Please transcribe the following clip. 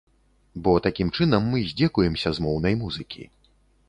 Бо такім чынам мы здзекуемся з моўнай музыкі.